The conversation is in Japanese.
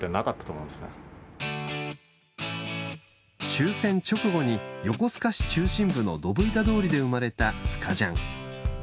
終戦直後に横須賀市中心部のドブ板通りで生まれたスカジャン。